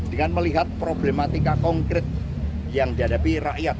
dengan melihat problematika konkret yang dihadapi rakyat